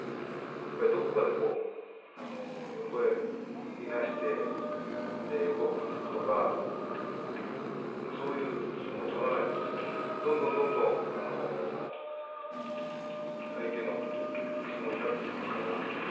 どこかで横へいなしてくっつくとかそういう相撲を取らないとどんどんどんどん相手の相撲になっていきますから。